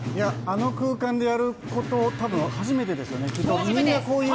あの空間でやること、初めてですよね。